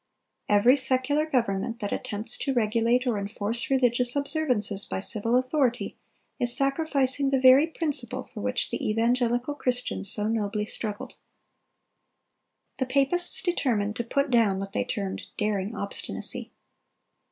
Every secular government that attempts to regulate or enforce religious observances by civil authority, is sacrificing the very principle for which the evangelical Christians so nobly struggled. The papists determined to put down what they termed "daring obstinacy."